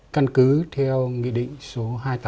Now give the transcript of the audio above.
căn cứ theo nghị định số hai mươi tám